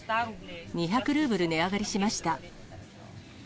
２００ルーブル値上がりしました。